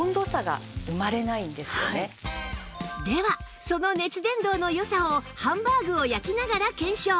ではその熱伝導の良さをハンバーグを焼きながら検証